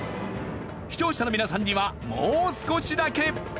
視聴者の皆さんにはもう少しだけ。